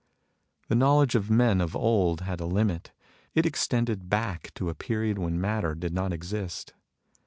" The knowledge of the men of old had a limit. It extended back to a period when matter did not exist.